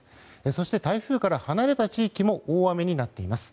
そして、台風から離れた地域も大雨になっています。